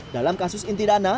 dalam kasus inti dana